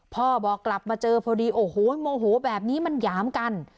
พ่อบอกกลับมาเจอพอดีโอ้โหโมโหแบบนี้มันหยามกัน